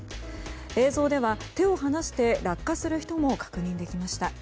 映像では手を離して落下する人も確認できました。